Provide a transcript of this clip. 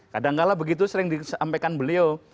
kadang kadang begitu sering diampaikan beliau